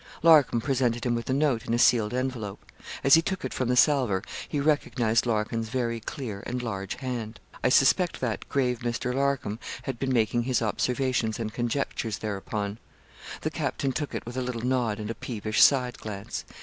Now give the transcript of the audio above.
Larcom presented him with a note, in a sealed envelope. As he took it from the salver he recognised Larkin's very clear and large hand. I suspect that grave Mr. Larcom had been making his observations and conjectures thereupon. The captain took it with a little nod, and a peevish side glance.